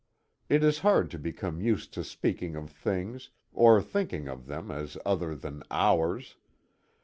It is hard to become used to speaking of things, or thinking of them as other than ours.